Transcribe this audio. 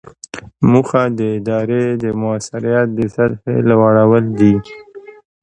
موخه د ادارې د مؤثریت د سطحې لوړول دي.